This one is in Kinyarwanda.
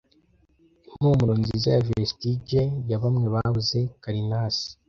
impumuro nziza ya vestige ya bamwe babuze karnasi